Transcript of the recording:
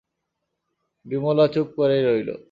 বিমলা চুপ করেই রইল।